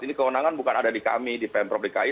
ini kewenangan bukan ada di kami di pemprov dki